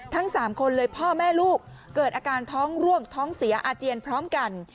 ทั้ง๓คนเลยพ่อแม่ลูกเกิดอาการท้องร่วงท้องเสียอาเจียนพร้อมกัน